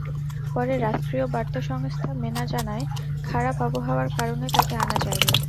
পরে রাষ্ট্রীয় বার্তা সংস্থা মেনা জানায়, খারাপ আবহাওয়ার কারণে তাঁকে আনা যায়নি।